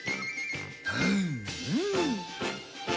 うんうん。